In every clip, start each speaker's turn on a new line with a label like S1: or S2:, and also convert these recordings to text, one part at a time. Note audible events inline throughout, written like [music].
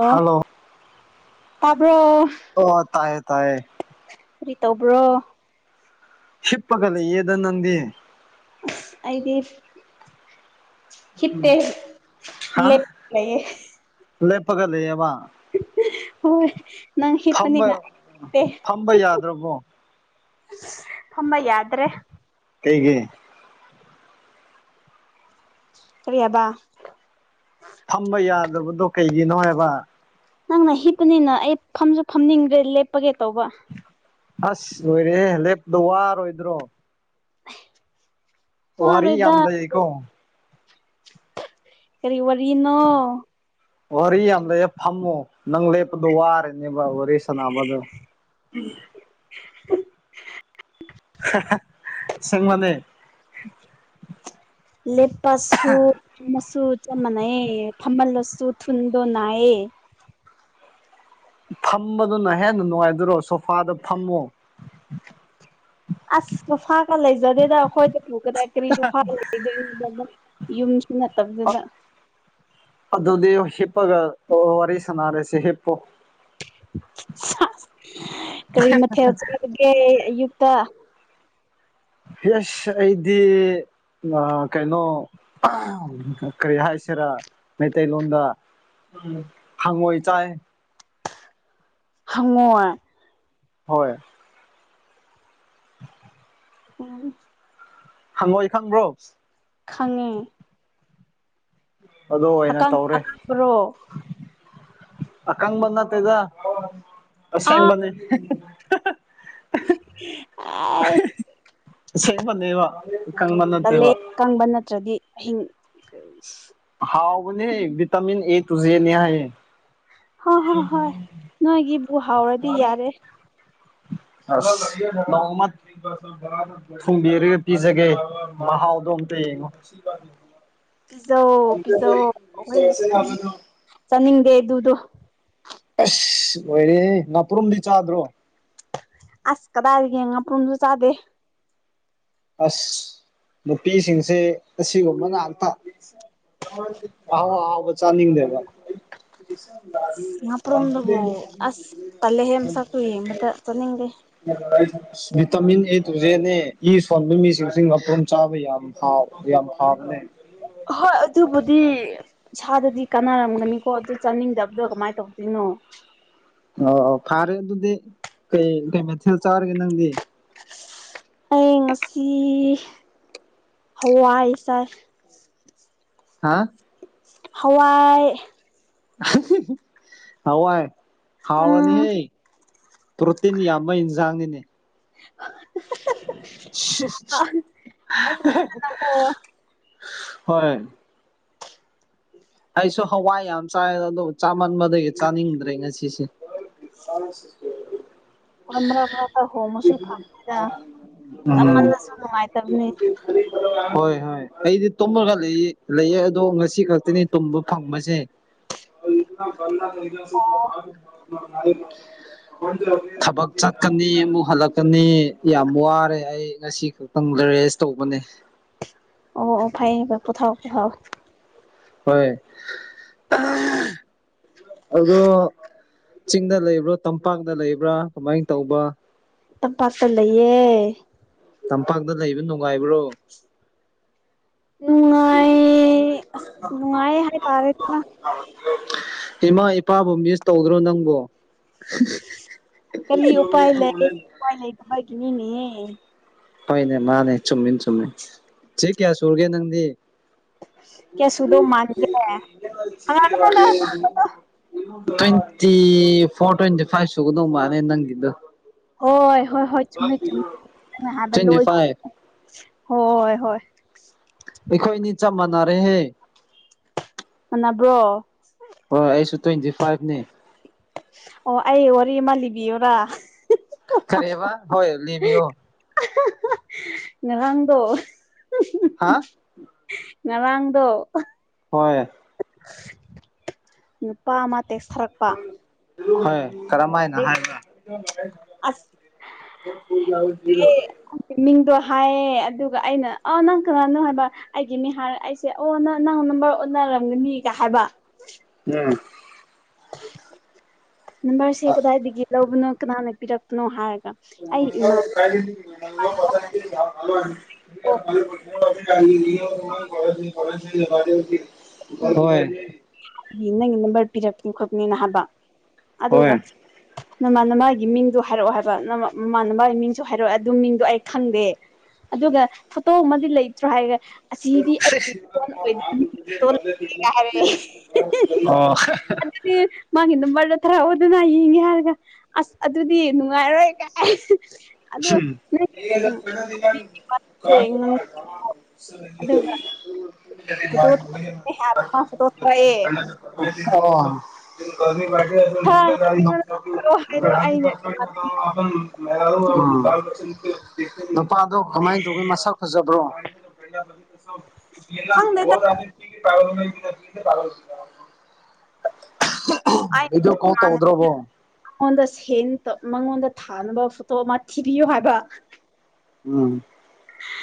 S1: ꯑꯣ
S2: ꯍꯜꯂꯣ
S1: ꯇꯥꯕ꯭ꯔꯣ
S2: ꯑꯣ ꯇꯥꯏꯌꯦ ꯇꯌꯦ
S1: ꯀꯔꯤ ꯇꯧꯕ꯭ꯔꯣ
S2: ꯁꯤꯤꯄꯒ ꯂꯩ ꯌꯦ ꯑꯗꯨ ꯅꯗꯤꯤꯦ
S1: ꯑꯩꯗꯤ ꯍꯤꯠꯇꯦ
S2: ꯍꯥ
S1: ꯂꯦ ꯂꯩꯌꯦ
S2: ꯂꯦꯞꯄꯒ ꯂꯩꯕ
S1: ꯍꯣꯏꯣꯏ ꯅꯪ
S2: ꯐꯝꯕ
S1: ꯍꯄꯅꯤꯅꯦ
S2: ꯐꯝꯕ ꯌꯥꯗ꯭ꯔꯕꯣ
S1: ꯐꯝꯕ ꯌꯥꯗ꯭ꯔꯦ
S2: ꯑꯩꯒꯤ
S1: ꯀꯔꯤꯌꯥꯕ
S2: ꯊꯝꯕ ꯌꯥꯗꯕꯗꯣ ꯀꯩꯒꯤꯅꯣ ꯍꯥꯏꯕ
S1: ꯅꯪꯅ ꯍꯤꯞꯄꯅꯤꯅ ꯑꯩ ꯐꯝꯁꯨ ꯐꯝꯅꯤꯡꯗ꯭ꯔꯦ ꯂꯦꯞꯄꯒꯦ ꯇꯧꯕ
S2: ꯑꯁ ꯂꯣꯏꯔꯦ ꯂꯦꯞꯄꯗꯣ ꯋꯥꯔꯣꯏꯗ꯭ꯔꯣ ꯋꯥꯔꯤ
S1: ꯋꯥꯔꯣꯏꯗ
S2: ꯌꯥꯝ ꯂꯩꯌꯦꯀꯣ
S1: ꯀꯔꯤ ꯋꯥꯔꯤꯅꯣ
S2: ꯋꯥꯔꯤ ꯌꯥꯝꯗ ꯍ ꯐꯝꯃꯣ ꯅꯪ ꯂꯦꯞꯄꯗꯣ ꯋꯥꯔꯅꯦꯕ ꯋꯥꯔꯤ ꯁꯅꯕꯗꯣ ꯎꯝ
S1: [inaudible] [unintelligible]
S2: ꯆꯪ ꯃꯅꯦ
S1: ꯂꯦꯞꯄꯁꯨ ꯃꯆꯨ ꯆꯞ ꯃꯥꯟꯅꯩꯌꯦ ꯐꯝꯃꯜꯂꯁ ꯆꯠ ꯊꯨꯟꯗ ꯅꯑꯌꯦ
S2: ꯐꯝꯕꯗꯨꯅ ꯍꯦꯟꯅ ꯅꯨꯡꯉꯥꯏꯇꯣꯏꯔꯣ ꯁꯣꯐꯥꯗ ꯐꯝꯃꯣ
S1: ꯑꯁꯁꯨꯐꯥꯒ ꯂꯩꯖꯗꯦꯗ ꯑꯩꯈꯣꯏꯗ ꯄꯨꯀꯗ ꯀꯔꯤꯁꯨꯨꯐꯥꯒ ꯂꯩꯗꯣꯏ
S2: ꯑꯗꯣꯗꯤ ꯏꯄꯥꯒ ꯋꯥꯔꯤ ꯁꯅꯔꯦ ꯁꯤꯦ ꯍꯦꯄꯣ
S1: ꯀꯔꯤ ꯃꯊꯦꯜ ꯆꯒꯦ ꯑꯌꯨꯛꯇ
S2: ꯌꯦꯁ ꯑꯩꯗꯤ ꯑ ꯀꯩꯅꯣ ꯀꯔꯤ ꯍꯥꯏꯁꯤꯔꯥ ꯃꯩꯇꯩꯂꯣꯟꯗ ꯍꯉꯋꯥꯣꯏ ꯆꯑ
S1: ꯍꯉꯣ
S2: ꯍꯣꯏ
S1: ꯎꯝ
S2: ꯍꯪꯉꯏ ꯈꯪꯕ꯭ꯔꯣ
S1: ꯈꯪꯉꯦ
S2: ꯑꯗꯨ ꯑꯣꯏꯅ
S1: ꯑꯀꯪ
S2: ꯇꯧꯔꯦ
S1: ꯑꯀꯪꯕꯔꯣ
S2: ꯑꯀꯪ ꯟ ꯇꯖ ꯑꯁꯥꯏꯅꯤ
S1: ꯑ
S2: ꯁꯦꯡꯕꯅꯦꯕ
S1: ꯇꯂꯦ ꯀꯪꯕ ꯅꯠꯇ꯭ꯔꯗꯤ ꯑꯍꯤꯡ
S2: ꯍꯥꯎꯕꯅꯦ ꯚꯇꯃꯤꯤꯟ ꯑꯦ ꯇꯨꯖꯦꯅꯤ ꯍꯥꯏ
S1: ꯍꯣꯏ ꯍꯣꯏ ꯍꯣꯏ ꯅꯣꯏꯒꯤꯕꯨ ꯍꯥꯎꯔꯗꯤ ꯌꯥꯔꯦ
S2: ꯑꯁ ꯅꯃ ꯊꯣꯡꯕꯤꯔꯒ ꯄꯤꯖꯒꯦ ꯃꯍꯥꯎꯗꯣ ꯑꯝ [inaudible]
S1: ꯄꯤꯖꯧ ꯄꯤꯖꯧ ꯑꯩꯈꯣꯏ ꯆꯥꯅꯤꯡꯗꯦ ꯑꯗꯨꯗꯣ
S2: ꯑꯁ ꯑꯣꯏꯔ ꯅꯥꯄꯔꯨꯝꯗꯤ ꯆꯥꯗ꯭ꯔꯣ
S1: ꯑꯁꯀꯗ ꯍꯥꯏꯒꯦꯉ ꯑ ꯄꯨꯔ ꯆ ꯆꯗꯦ
S2: ꯑꯁ ꯅꯨꯄꯤꯁꯤꯡꯁꯦ ꯑꯁꯤꯒꯨꯝꯕ ꯉꯥꯛꯇ ꯑꯥꯎ ꯑꯥꯎꯕ ꯆꯥꯅꯤꯡꯗꯕ
S1: [inaudible] ꯍꯥꯄ꯭ꯔꯝꯗꯕꯣ ꯑꯁ ꯇꯂꯦ ꯍꯦ ꯃ ꯁꯥ ꯀ ꯃꯇ ꯆꯅꯤꯡꯒꯦ
S2: ꯚꯇꯤꯟ ꯑꯦ ꯇꯨꯁꯦꯅꯦ ꯏ ꯐꯣꯟꯕ ꯃꯤꯁꯤꯡꯁꯤ ꯃꯄ꯭ꯔꯨꯝ ꯆꯥꯕ ꯌꯥꯝꯥꯎ ꯌꯥꯝ ꯍꯥꯎꯕꯅꯦ
S1: ꯍꯣꯏ ꯑꯗꯨꯕꯨꯗꯤ ꯏꯁꯥꯗꯗꯤ ꯀꯥꯟꯅꯔꯝꯒꯅꯤꯀꯣ ꯑꯗꯨ ꯆꯥꯅꯤꯡꯗꯕꯗꯣ ꯀꯃꯥꯏꯅ ꯇꯧꯗꯣꯏꯅꯣ
S2: ꯑꯣ ꯑꯣ ꯐꯥꯔꯦ ꯑꯗꯨꯗꯤ ꯀꯩ ꯀꯩ ꯃꯩꯊꯦꯜ ꯆꯥꯔꯒꯦ ꯅꯪꯗꯤ
S1: ꯑꯩ ꯉꯁꯤ ꯍꯋꯥꯏ ꯆꯥꯏ
S2: ꯍꯥ
S1: ꯍꯋꯥꯏ
S2: ꯍꯋꯥꯏ ꯍꯥꯎꯔꯥꯅꯤ
S1: ꯎꯝ
S2: ꯍꯦ ꯄꯣꯇꯅꯤ ꯑꯃ ꯏꯟꯁꯥꯉꯅꯦꯅꯤ
S1: [inaudible]
S2: ꯍꯣꯏ ꯑꯩꯁꯨ ꯍꯋꯥꯏ ꯌꯥꯝ ꯆꯥꯏ ꯑꯗꯨ ꯆꯥꯃꯟꯕꯗꯒꯤ ꯆꯥꯅꯤꯡꯗ꯭ꯔꯦ ꯉꯁꯤꯁꯦ ꯀ ꯁꯁ
S1: ꯀ ꯍꯣꯃꯣꯁꯨꯨ ꯐꯝꯥꯏꯗ ꯇ
S2: ꯎꯝ
S1: ꯃꯅ ꯁꯨ ꯅꯨꯡꯉꯥꯏ ꯇꯝꯅꯤ
S2: ꯍꯣꯏ ꯍꯣꯏ ꯑꯩꯗꯤ ꯇꯨꯝꯃꯒ ꯂꯩ ꯂꯩꯌꯦ ꯑꯗꯣ ꯉꯁꯤ ꯈꯛꯇꯅꯤ ꯇꯨꯝꯕ ꯐꯪꯕꯁꯦ
S1: ꯑꯣ
S2: [inaudible] ꯊꯕꯛ ꯆꯠꯀꯅꯤ ꯑꯃꯨꯛ ꯍꯜꯂꯛꯀꯅꯤ ꯌꯥꯝ ꯋꯥꯔꯦ ꯑꯩ ꯉꯁꯤ ꯈꯛꯇꯪ ꯔꯦꯁ ꯇꯧꯕꯅꯦ
S1: ꯑꯣ ꯑꯣ ꯐꯥꯏꯕ ꯄꯣꯊꯥꯥꯎ ꯄꯊꯥꯥꯎ
S2: ꯍꯣꯏ ꯑꯗꯣ ꯆꯤꯡꯗ ꯂꯩꯕ꯭ꯔꯥ ꯇꯝꯄꯥꯛꯇ ꯂꯩꯕ꯭ꯔꯥ ꯀꯃꯥꯏꯅ ꯇꯧꯕ
S1: ꯇꯝꯄꯥꯥꯇꯂꯌꯦꯦ
S2: ꯇꯝꯄꯥꯛꯇ ꯂꯩꯕ ꯅꯨꯡꯉꯥꯏꯕ꯭ꯔꯣ
S1: ꯅꯨꯡꯉꯥꯏ ꯑꯁ ꯅꯨꯡꯉꯥꯏ ꯍꯥꯏꯇꯥꯔꯦꯗꯅ
S2: ꯀ ꯏꯃꯥ ꯏꯄꯥꯕꯨ ꯃꯤꯁ ꯇꯧꯗ꯭ꯔꯣ ꯅꯪꯕꯨ
S1: ꯀꯔꯤ ꯎꯄꯥꯏ ꯂꯩ ꯎꯄꯥꯏ ꯂꯩꯇꯕꯒꯤꯅꯤꯅꯦ
S2: ꯍꯣꯏꯅꯦ ꯃꯥꯅꯦ ꯆꯨꯝꯃꯤꯅ ꯆꯨꯝꯃꯤ ꯁꯤꯦ ꯀꯌꯥ ꯁꯨꯔꯒꯦ ꯅꯪꯗꯤ
S1: [inaudible] ꯀ ꯁꯨꯗꯣ ꯃꯥꯥꯡꯒꯦ
S2: ꯇ꯭ꯋꯦꯟꯇꯤ ꯐꯣꯔ ꯇ꯭ꯋꯦꯟꯇꯤ ꯐꯥꯏꯚ ꯁꯨꯒꯗꯧ ꯃꯥꯅꯦ ꯅꯪꯒꯤꯗꯣ
S1: ꯍꯣꯏ ꯍꯣꯏ ꯍꯣꯏ ꯆꯨꯝꯃꯦ ꯆꯨꯝꯃꯦ ꯍꯥꯏꯕ
S2: ꯇ꯭ꯋꯦꯟꯇꯤ
S1: ꯂꯣꯏ
S2: ꯐꯥꯏꯚ
S1: ꯍꯣꯏ ꯍꯣꯏ ꯊ
S2: ꯑꯩꯈꯣꯏꯅꯤ ꯆꯞ ꯃꯥꯟꯅꯔꯦꯍꯦ
S1: ꯃꯕ꯭ꯔꯣ
S2: ꯍꯣꯏ ꯑꯩꯁꯨ ꯇ꯭ꯋꯦꯟꯇꯤ ꯐꯥꯏꯚꯅꯤ
S1: ꯑꯣ ꯑꯩ ꯋꯥꯔꯤꯃꯥ ꯂꯤꯕꯤꯌꯣꯔꯥ
S2: ꯈꯔꯦꯕ ꯍꯣꯏ ꯂꯤꯕꯤ ꯑꯣ
S1: ꯉꯍꯪꯗꯣ
S2: ꯍꯥ
S1: ꯉꯔꯥꯡꯗꯣ
S2: ꯍꯣꯏ
S1: ꯅꯨꯄꯥ ꯑꯃ ꯇꯦꯛꯊꯔꯛꯄ
S2: ꯍꯣꯏ ꯀꯔꯝꯃꯥꯏꯅ ꯍꯥꯏꯕ
S1: ꯑꯁ
S2: ꯍ ꯍꯨ ꯌꯥꯥꯎ ꯊꯔ
S1: ꯑꯦ ꯃꯤꯡꯗꯣ ꯍꯥꯏꯌꯦ ꯑꯗꯨꯒ ꯑꯩꯅ ꯑ ꯅꯪ ꯀꯅꯥꯅꯣ ꯍꯥꯏꯕ ꯑꯩꯒꯤ ꯃꯤ ꯍꯥꯏꯔ ꯑꯩꯁꯦ ꯑꯣ ꯅꯪ ꯅꯪ ꯅꯝꯕꯔ ꯑꯣꯟꯅꯔ ꯝꯒ ꯃꯤ ꯀ ꯍꯥꯏꯕ
S2: ꯎꯝ
S1: ꯅꯝꯕꯔꯁꯦ ꯀꯗꯥꯏꯗꯒꯤ ꯂꯧꯕꯅꯣ ꯀꯅꯥꯅ ꯄꯤꯔꯛꯄꯅꯣ ꯍꯥꯏꯔꯒ ꯑꯩ ꯏꯃꯥꯟꯅꯕ
S2: ꯑꯣ ꯎꯆ ꯍ
S1: ꯅꯪꯒꯤ ꯅꯝꯕꯔ ꯄꯤꯔꯛꯄꯅꯤ ꯈꯣꯠꯄꯅꯤꯅ ꯍꯥꯏꯕ
S2: ꯍꯣꯏ
S1: ꯑꯗꯨꯒ ꯅꯃꯥꯟꯅ ꯃꯥꯒꯤ ꯃꯤꯡꯗꯣ ꯍꯥꯏꯔꯛꯑꯣ ꯍꯥꯏꯕ ꯅ ꯃꯃꯥꯅ ꯃꯥꯒꯤ ꯃꯤꯡꯁꯨ ꯍꯥꯏꯔꯛꯑꯣ ꯑꯗꯨ ꯃꯤꯡꯗꯣ ꯑꯩ ꯈꯪꯗꯦ ꯑꯗꯨꯒ ꯐꯣꯇꯣ ꯑꯃꯗꯤ ꯂꯩꯇ꯭ꯔꯣ ꯍꯥꯏꯔꯦ ꯑꯁꯤꯗꯤ ꯑꯩꯒꯤ ꯐꯣꯟ ꯑꯣꯏꯗꯕꯅꯤ ꯀꯔꯦ
S2: ꯑꯣ
S1: ꯑꯗꯨ ꯃꯥꯒꯤ ꯅꯝꯕꯔꯗ ꯊꯥꯔꯛꯑꯣ ꯑꯗꯨꯅ ꯌꯦꯡꯒꯦ ꯍꯥꯏꯔꯒ ꯑꯁ ꯑꯗꯨꯗꯤ ꯅꯨꯡꯉꯥꯏꯔꯣꯏ ꯀꯥꯏ ꯑꯗꯣ
S2: ꯎꯝ
S1: ꯅꯪꯒꯤ ꯎꯝ ꯌꯦꯡꯉꯣ ꯑꯗꯨꯒ ꯐꯣꯇꯣ ꯃꯥ ꯐꯣꯇꯣ ꯊꯥꯔꯛꯑꯦ
S2: [inaudible] ꯑꯣ ꯂꯤꯒꯥ
S1: ꯊꯥꯔꯒ
S2: ꯃ
S1: ꯑꯩꯉꯣꯟꯗ ꯊꯥꯔꯛꯑꯣ ꯍꯥꯏꯗꯣ ꯑꯩꯅ
S2: ꯎꯝ ꯅꯨꯄꯥꯗꯣ ꯀꯃꯥꯏꯅ ꯇꯧꯒꯦ ꯃꯁꯛ ꯐꯖꯕ꯭ꯔꯣ
S1: ꯈꯪꯗꯦꯗ
S2: ꯣꯥ ꯊ ꯄ ꯄꯔ ꯏꯗꯣ ꯀꯣ ꯇ ꯎꯗ꯭ꯔꯕ
S1: ꯑꯩꯉꯣꯟꯗ ꯁꯦꯟ ꯃꯉꯣꯟꯗ ꯊꯥꯅꯕ ꯐꯣꯇꯣ ꯑꯃ ꯊꯤꯕꯤꯌꯨ ꯍꯥꯏꯕ
S2: ꯎꯝ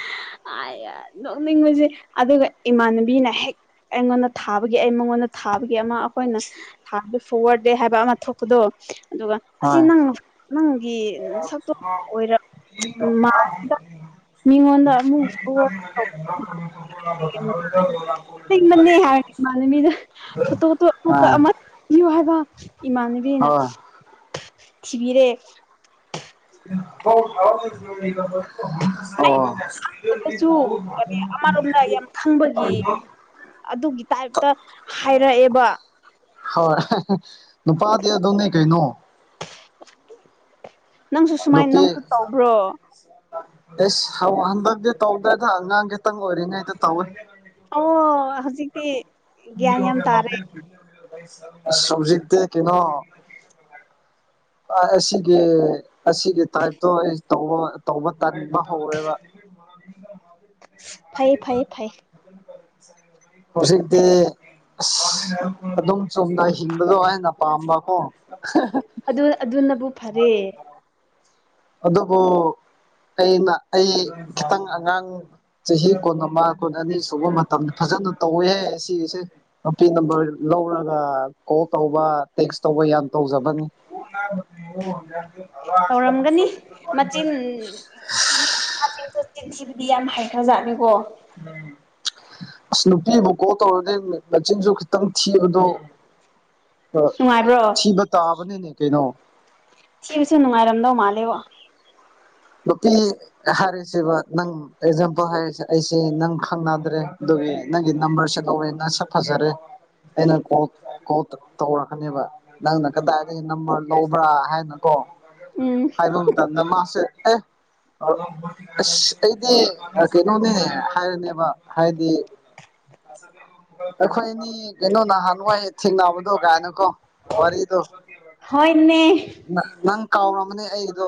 S1: [inaudible] ꯑ ꯅꯣꯛꯅꯤꯡꯉꯨꯁꯦ ꯑꯗꯨꯒ ꯏꯃꯥꯟꯅꯕꯤꯅ ꯍꯦꯛ ꯑꯩꯉꯣꯟꯗ ꯊꯥꯕꯒꯤ ꯑꯩ ꯃꯉꯣꯟꯗ ꯊꯥꯕꯒꯤ ꯑꯃ ꯑꯩꯈꯣꯏꯅ ꯊꯥꯕ ꯐꯋꯥꯔ ꯗꯦ ꯍꯥꯏꯕ ꯑꯃ ꯊꯣꯛꯄꯗꯣ ꯑꯗꯨꯒ ꯑꯁꯤ
S2: ꯍꯣꯏ
S1: ꯅꯪ ꯅꯪꯒꯤ ꯁꯛꯇꯣ ꯑꯣꯏꯔ ꯎ ꯃꯥꯗ ꯃꯤꯉ ꯃꯥꯅ ꯃꯤꯗ ꯐꯇ
S2: ꯍꯣꯏ
S1: ꯑꯃꯨ ꯑꯃ ꯍꯥꯏ ꯏꯃꯥꯟꯅꯕꯤꯅ
S2: ꯍꯣꯏ
S1: ꯊꯤꯕꯤꯔꯦ
S2: ꯍ
S1: ꯑꯗꯨꯁꯨ
S2: ꯊꯥꯎ
S1: ꯀꯔꯤ ꯑꯃꯔꯣꯝꯗ ꯌꯥꯝ ꯈꯪꯕꯒꯤ
S2: ꯑꯣ
S1: ꯑꯗꯨꯒꯤ ꯇꯥꯏꯞꯇ ꯍꯥꯏꯔꯛꯑꯦꯕ
S2: ꯅꯨꯄꯥꯗꯤ ꯑꯗꯨꯣꯅ ꯀꯩ ꯅꯣ
S1: ꯅꯪꯁꯨ ꯁꯨꯃꯥꯏꯅ
S2: ꯅꯨꯄꯤ
S1: ꯅꯪꯁꯨ ꯇꯧꯕ꯭ꯔꯣ
S2: ꯑꯦꯁ ꯍꯟꯗꯛꯇꯤ ꯇꯧꯗꯗ ꯑꯉꯥꯡ ꯈꯤꯇꯪ ꯑꯣꯏꯔꯤꯉꯩꯗ ꯇꯧꯋꯦ
S1: ꯑꯣ ꯍꯧꯖꯤꯛꯇꯤ ꯒ꯭ꯌꯥꯟ ꯌꯥꯝ ꯇꯥꯔꯦ
S2: ꯃꯥ ꯁꯣꯖꯤꯤ ꯇ ꯀꯩꯅꯣ ꯑꯁꯤꯒꯤ ꯑꯁꯤꯒꯤ ꯇꯥꯏꯞꯇꯣ ꯑꯩ ꯇ ꯇꯧꯕ ꯇꯟꯕ ꯍꯧꯔꯦꯕ
S1: ꯐꯩ ꯐꯩ ꯐꯩ
S2: ꯍꯧꯁꯤꯗꯤ ꯑꯗꯨ ꯁꯣꯝꯗ ꯍꯤꯡꯕꯗꯣ ꯑꯩꯅ ꯄꯥꯝꯕꯀꯣ
S1: ꯑꯗꯨ ꯑꯗꯨꯅꯕꯨ ꯐꯔꯦ
S2: ꯑꯗ ꯄꯣ ꯑꯩꯅ ꯑꯩ ꯈꯤꯇꯪ ꯑꯉꯥꯡ ꯆꯍꯤ ꯀꯨꯟ ꯑꯃ ꯀꯨꯟ ꯑꯅꯤ ꯁꯨꯕ ꯃꯇꯝꯗ ꯐꯖ ꯐꯖꯅ ꯇꯧꯋꯦꯍꯦ ꯁꯤꯁꯦ ꯅꯨꯄꯤꯦ ꯅꯝꯕꯔ ꯂꯧꯔꯒ ꯀꯣꯜ ꯇꯧꯕ ꯇꯦꯛꯁ ꯇꯧꯕ ꯌꯥ ꯒ꯭ꯌꯥꯟ ꯇꯧꯖꯕꯅꯤ
S1: ꯃꯆꯤꯟꯆꯁꯨ ꯆꯤꯟꯁꯤꯕꯨꯗꯤ ꯌꯥꯝ ꯍꯩꯊꯖꯥꯠꯅꯤꯀꯣ
S2: ꯑꯁ ꯅꯨꯄꯤꯕꯨ ꯀꯣꯛ ꯇꯧꯔꯗꯤ ꯃꯆꯤꯟꯁꯨ ꯈꯤꯇꯪ ꯊꯤꯕꯗꯣ ꯑ
S1: ꯅꯨꯡꯉꯥꯏꯕ꯭ꯔꯣ
S2: ꯊꯤꯕ ꯇꯥꯕꯅꯦꯅꯦ ꯀꯩꯅꯣ
S1: ꯊꯤꯕꯁꯨ ꯅꯨꯡꯉꯥꯏꯔꯝꯗꯧ ꯃꯥꯜꯂꯦꯕ
S2: ꯅꯨꯄꯤ ꯍꯥꯏꯔꯤꯁꯕ ꯅꯪ ꯑꯦꯛꯖꯥꯝꯄꯜ ꯍꯥꯏꯔꯤꯁꯦ ꯑꯩꯁꯦ ꯅꯪ ꯈꯪꯅꯗ꯭ꯔꯦ ꯅꯪꯒꯤ ꯅꯝꯕꯔꯁꯦ ꯂꯧꯋꯦ ꯅꯪ ꯁꯛ ꯐꯖꯔꯦ ꯑꯩꯅ ꯀꯣ ꯇꯧꯔꯛꯀꯅꯦꯕ ꯅꯪꯅ ꯀꯗꯥꯏꯗꯒꯤ ꯅꯝꯕꯔ ꯂꯧꯕ꯭ꯔꯥ ꯍꯥꯏꯅꯀꯣ
S1: ꯎꯝ
S2: ꯍꯥꯏꯕ ꯃꯇꯝꯗ ꯃꯥꯁꯦ ꯑꯦ ꯑꯁ ꯑꯩꯗꯤ ꯀꯩꯅꯣꯅꯦ ꯍꯥꯏꯔꯅꯦꯕ ꯍꯥꯏꯗꯤ ꯑꯝ ꯑꯩꯈꯣꯏꯅꯤ ꯀꯩꯅꯣ ꯅꯍꯥꯟꯋꯥꯏ ꯊꯦꯡꯅꯕꯗꯣ ꯀꯥꯏꯅꯨꯀꯣ ꯋꯥꯔꯤꯗꯣ
S1: ꯍꯣꯏꯅꯦ
S2: ꯀꯥꯎꯔꯝꯒꯅꯦ ꯑꯩꯗꯣ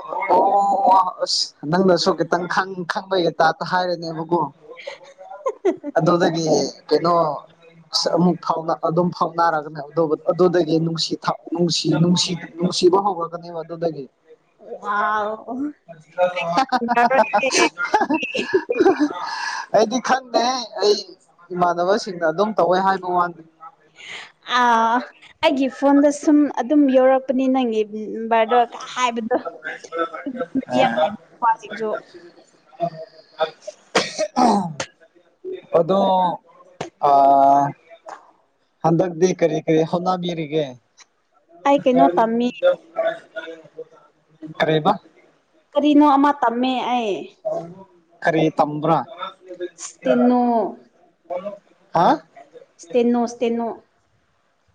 S2: ꯑꯁ ꯅꯪꯗꯁꯨ ꯈꯤꯇꯪ ꯈꯪꯕꯒꯤ ꯇꯥꯇ ꯍꯥꯏꯔꯅꯦꯕꯕꯨꯣ ꯑꯗ ꯀꯩꯅꯩꯅꯣ ꯑ ꯑꯃꯨꯛ ꯐꯥꯎ ꯑꯗꯨꯝ ꯐꯥꯎꯅꯔꯒꯅꯦ ꯑꯗꯨꯗꯒꯤꯅꯨꯡꯁꯤꯅꯨꯡꯁꯤ ꯅꯨꯡꯁꯤ ꯤꯕ ꯍꯣꯒꯒꯅꯤꯕ ꯑꯗꯨꯗꯗꯒꯤ
S1: ꯋꯥꯎ
S2: [inaudible] ꯑꯩꯗꯤ ꯈꯟꯗꯦ ꯑꯩ ꯏꯃꯥꯟꯅꯕꯁꯤꯡꯅ ꯑꯗꯨꯝ ꯇꯧꯋꯦ ꯍꯥꯏꯕ ꯋꯥꯅꯤ
S1: ꯑ ꯑꯩꯒꯤ ꯐꯣꯟꯗ ꯁꯨꯝ ꯑꯗꯨꯝ ꯌꯧꯔꯛꯄ ꯅꯤ ꯅꯪꯦ ꯚꯗꯣ ꯍꯥꯏꯕꯗꯣ ꯌꯥꯝ ꯍꯥꯏꯕ ꯀ꯭ꯁꯤꯡꯁꯨ
S2: ꯎ
S1: [inaudible]
S2: ꯑꯗꯨꯗꯣ ꯑ ꯍꯟꯗꯒꯗꯤ ꯀꯔꯤ ꯀꯔꯤ ꯍꯅꯥ ꯃꯤꯔꯤꯒ
S1: ꯑꯩ ꯀꯩꯅꯣ ꯇꯝꯃꯤ
S2: ꯈꯔꯦꯕ
S1: ꯀꯔꯤꯅꯣ ꯑꯃ ꯇꯝꯃꯦ ꯑꯩ
S2: ꯀꯔꯤ ꯇꯝꯕ꯭ꯔꯥ
S1: ꯇꯟꯅꯣ
S2: ꯍꯥ
S1: ꯏꯁꯇꯦꯅꯣ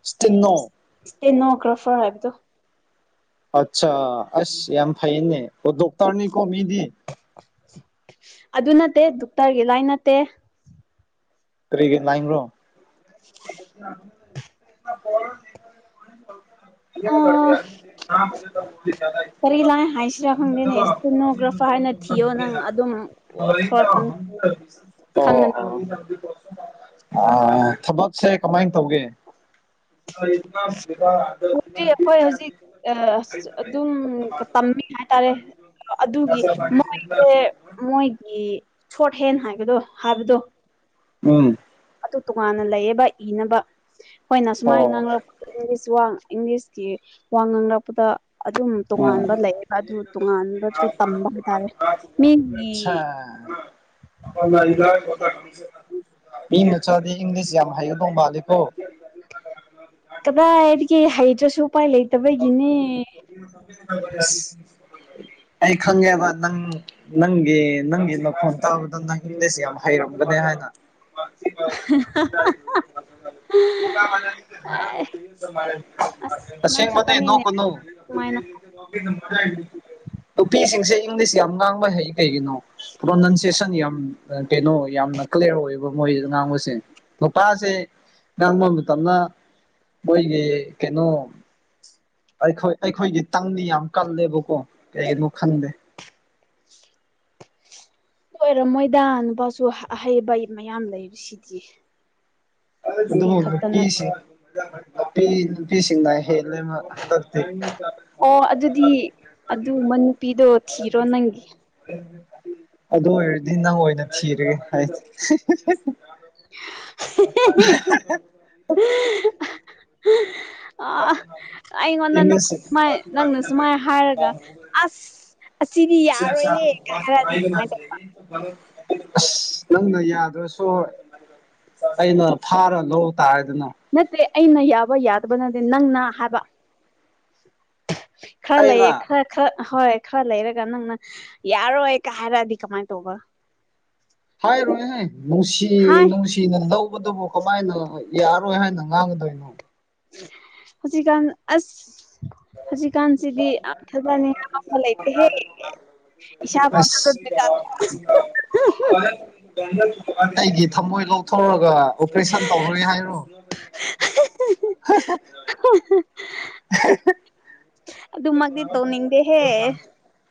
S2: ꯁꯤꯇꯤꯅꯣ
S1: ꯁꯇꯦꯅꯣꯒ꯭ꯔꯥꯐꯔ ꯍꯥꯏꯕꯗ
S2: ꯑꯆꯥꯥ ꯑꯁ ꯌꯥꯝ ꯐꯩꯅꯦ ꯑꯣ ꯗꯣꯛꯇꯔꯅꯤ ꯀꯣꯃꯤꯗꯤ
S1: ꯑꯗꯨ ꯅꯠꯇꯦ ꯗꯣꯛꯇꯔꯒꯤ ꯂꯥꯏ ꯅꯠꯇꯦ
S2: ꯇ꯭ꯔꯤꯒꯤ ꯅꯥꯏꯟ ꯭ꯔꯣ [unintelligible] [unintelligible] [unintelligible]
S1: [inaudible]
S2: [unintelligible] [unintelligible] [unintelligible] [unintelligible] [unintelligible] [unintelligible] [unintelligible] ꯑꯣ
S1: ꯀꯔꯤ ꯂꯥꯏꯟ ꯍꯥꯏꯁꯤꯔꯥ ꯈꯪꯗꯦꯅꯦ ꯁ꯭ꯇꯦꯅꯣꯒ꯭ꯔꯥꯐꯔ ꯍꯥꯏꯅ ꯊꯤꯌꯣ ꯅꯪ ꯑꯗꯨꯝ ꯊꯣꯔꯛꯀꯅꯤ ꯈꯪꯒꯅꯤ
S2: [unintelligible] ꯑ ꯊꯕꯛꯁꯦ ꯀꯃꯥꯏꯅ ꯇꯧꯒꯦ ꯏꯗ ꯏꯔ
S1: ꯍꯧꯖꯤꯛ ꯑꯩꯈꯣꯏ ꯍꯧꯖꯤꯛ ꯃꯤ ꯍꯥꯏꯇꯥꯔꯦ ꯑꯗꯨꯒꯤ ꯃꯣꯏꯁꯦ ꯃꯣꯏꯒꯤ ꯁꯣꯔꯠ ꯍꯦꯟ ꯍꯥꯏꯕꯗꯣ ꯍꯥꯏꯕꯗꯣ
S2: ꯎꯝ
S1: ꯇꯨ ꯇꯣꯉꯥꯟꯅ ꯂꯩꯌꯦꯕ ꯏꯅꯕ ꯑꯩꯈꯣꯏꯅ ꯁꯨꯃꯥꯏꯅ
S2: ꯑꯣ
S1: ꯉꯥꯡꯂꯛꯄ ꯋꯥ ꯏꯪꯂꯤꯁꯀꯤ ꯋꯥ ꯉꯥꯡꯂꯛꯄꯗ ꯑꯗꯨꯝ ꯇꯣꯉꯥꯟꯕ ꯂꯩꯌꯦꯕ ꯑꯗꯨ
S2: ꯃꯤ
S1: ꯇꯣꯉꯥꯟꯕꯁꯨ ꯇꯝꯕ ꯍꯥꯏꯇꯥꯔꯦ ꯃꯤꯒꯤ [inaudible]
S2: ꯑ ꯏꯗ ꯀꯊ ꯃꯤ ꯃ ꯆꯗꯤ ꯏꯪꯂꯤꯁ ꯌꯥꯝ ꯍꯥꯏꯌꯗꯣꯡ ꯃꯥꯥꯂꯦꯀꯣ
S1: ꯀꯗꯥꯏꯗꯒꯤ ꯍꯩꯇ꯭ꯔꯁꯨ ꯎꯄꯥꯏ ꯂꯩꯇꯕꯒꯤꯅꯦ
S2: [inaudible] ꯑꯩ ꯈꯪꯉꯦꯕ ꯅꯪ ꯅꯪꯒꯤ ꯅꯪꯒꯤꯅ ꯐꯣꯟ ꯇꯥꯕꯗ ꯅꯪꯗꯁ ꯌꯥꯝ ꯍꯩꯔꯛ ꯝꯒꯅꯦ ꯍꯥꯏꯅ
S1: [inaudible] ꯑꯁ ꯅꯪ
S2: ꯔꯦꯡ
S1: ꯈꯛꯇꯅꯤꯅꯦ ꯁꯨꯃꯥꯏꯅ
S2: ꯅꯣ ꯄꯤꯁꯦ ꯏꯪꯂꯤꯁ ꯌꯥꯝ ꯉꯥꯡꯕ ꯍꯩ ꯀꯩꯒꯤꯅꯣ ꯄ꯭ꯔꯣꯅꯟꯁꯦꯁꯟ ꯌꯥꯝ ꯀꯩꯅꯣ ꯌꯥꯝꯅ ꯀ꯭ꯂꯤꯌꯥꯔ ꯑꯣꯏꯌꯦꯕ ꯃꯣꯏ ꯉꯥꯡꯕꯁꯦ ꯅꯨꯄꯥꯁꯦ ꯅꯪꯕ ꯃꯇꯝꯅ ꯃꯣꯏꯒꯤ ꯀꯩꯅꯣ ꯑꯩꯈꯣꯏ ꯑꯩꯈꯣꯏꯒꯤ ꯇꯪꯅꯤ ꯌꯥꯝ ꯀꯜꯂꯦꯕꯀꯣ ꯀꯩꯒꯤꯅꯣ ꯈꯪꯗꯦ
S1: [inaudible] ꯂꯣꯏꯔꯝꯃꯣꯏꯗ ꯅꯨꯄꯥꯁꯨ ꯑꯍꯩꯕ ꯃꯌꯥꯝ ꯂꯩ ꯁꯤꯗꯤ
S2: ꯅꯨ ꯅꯨ ꯐ ꯁꯤꯁꯤꯡꯅꯏ ꯍꯦꯂ
S1: ꯑꯣ ꯑꯗꯨꯗꯤ ꯑꯗꯨꯒꯨꯝꯕ ꯅꯨꯄꯤꯗꯣ ꯊꯤꯔꯣ ꯅꯪꯒꯤ
S2: ꯑꯗꯨ ꯑꯣꯏꯔꯗꯤ ꯅꯪ ꯑꯣꯏꯅ ꯊꯤꯔꯒꯦ ꯍꯥꯏꯁ
S1: [inaudible] ꯑ
S2: ꯏꯪꯂꯤꯁ
S1: ꯑꯩꯉꯣꯟꯗꯃꯥꯏ ꯅꯪꯅ ꯁꯨꯃꯥꯏꯅ ꯍꯥꯏꯔꯒ ꯑꯁ ꯑꯁꯤꯗꯤ
S2: ꯑꯁ
S1: ꯌꯥꯔꯣꯏꯍꯦ ꯍꯥꯏꯔꯗꯤ ꯀꯃꯥꯏꯅ ꯇꯧꯕ
S2: ꯑꯁ ꯅꯪꯅ ꯌꯥꯗ꯭ꯔꯁꯨ ꯑꯩꯅ ꯐꯥꯔ ꯂ ꯇꯥꯔꯗꯤ
S1: ꯅꯠꯇꯦ ꯑꯩꯅ ꯌꯥꯕ ꯌꯥꯗꯕ ꯅꯠꯇꯦ ꯅꯪꯅ ꯍꯥꯏꯕ ꯈꯥ
S2: ꯑꯩꯅ
S1: ꯂꯩꯌꯦ ꯈꯥ ꯈꯥ ꯍꯣꯏ ꯈꯔ ꯂꯩꯔꯒ ꯅꯪꯅ ꯌꯥꯔꯣꯏ ꯀ ꯍꯥꯏꯔꯛꯑꯗꯤ ꯀꯃꯥꯏꯅ ꯇꯧꯕ
S2: ꯍꯥꯏꯔꯣꯏꯍ ꯅꯨꯡꯁꯤ
S1: ꯍꯥꯏ
S2: ꯅꯨꯡꯁꯤꯅ ꯂꯧꯕꯗꯨꯕꯨ ꯀꯃꯥꯏꯅ ꯍꯥꯏ ꯌꯥꯔꯣꯏ ꯍꯥꯏꯅ ꯉꯥꯡꯒꯗꯣꯏꯅꯣ
S1: ꯍꯧꯖꯤꯛꯀꯥꯟ ꯑꯁ ꯍꯧꯖꯤꯛꯀꯥꯟꯁꯤꯗꯤ ꯑꯥ ꯍꯖꯥꯅꯤ ꯑꯃ ꯂꯩꯇꯦꯍꯦ ꯏꯁꯥꯐꯥꯎ ꯊꯥꯒꯠꯄꯗ
S2: [inaudible] ꯊꯝꯃꯣꯏ ꯂꯧꯊꯣꯛꯔꯒ ꯑꯣꯄꯔꯦꯁꯟ ꯇꯧꯔꯣꯏ ꯍꯥꯏꯔꯣ [inaudible]
S1: ꯑꯗꯨ ꯃꯒ ꯇꯣꯅꯤꯗꯦ ꯍꯦ